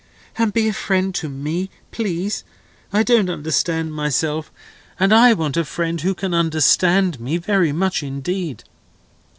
And be a friend to me, please; I don't understand myself: and I want a friend who can understand me, very much indeed."